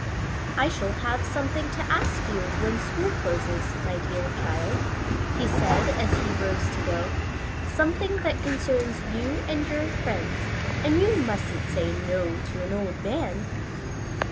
"I shall have something to ask you when school closes, my dear child," he said as he rose to go. "Something that concerns you and your friends, and you mustn't say 'no' to an old man."